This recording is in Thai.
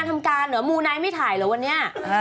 ทำการมูนายไม่ถ่ายหรือวันนี้